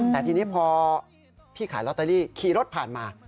แต่ทีนี้พอพี่ขายลอตเตอรี่ขี่รถผ่านมา